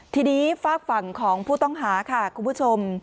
ทีนี้ฝากฝั่งของผู้ต้องหาค่ะคุณผู้ชม